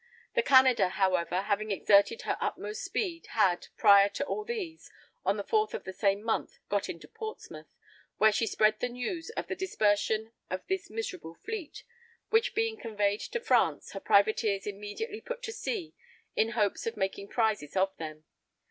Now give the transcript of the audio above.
The Canada, however, having exerted her utmost speed, had, prior to all these, on the 4th of the same month got to Portsmouth, where she spread the news of the dispersion of this miserable fleet, which being conveyed to France, her privateers immediately put to sea in hopes of making prizes of them.